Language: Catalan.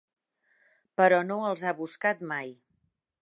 Però no els ha buscat mai.